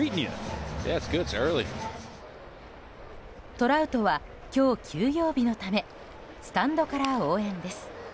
トラウトは今日、休養日のためスタンドから応援です。